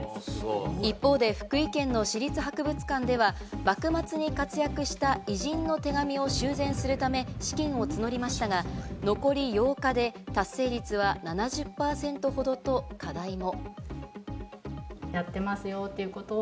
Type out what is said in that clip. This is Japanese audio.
一方で福井県の市立博物館では、幕末に活躍した偉人の手紙を修繕するため資金を募りましたが、残り８日で達成率は７０％ほどと課題も。